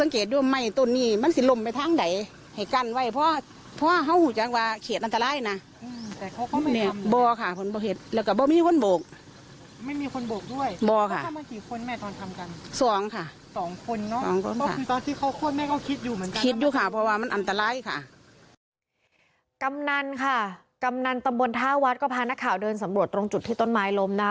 กำนันค่ะกำนันตำบลท่าวัดก็พานักข่าวเดินสำรวจตรงจุดที่ต้นไม้ล้มนะคะ